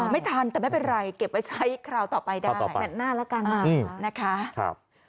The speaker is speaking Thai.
ไม่ทันแต่ไม่เป็นไรเก็บไว้ใช้คราวต่อไปได้แมทหน้าแล้วกันนะคะ